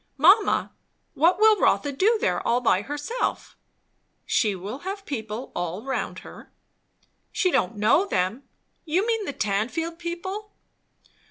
"Mamma, what will Rotha do there, all by herself?" "She will have people all round her." "She don't know them. You mean the Tanfield people?"